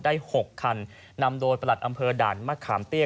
๖คันนำโดยประหลัดอำเภอด่านมะขามเตี้ย